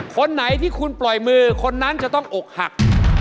คนไหนที่คุณปล่อยมือคนนั้นจะต้องอกหัก